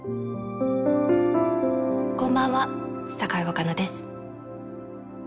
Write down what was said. こんばんは酒井若菜です。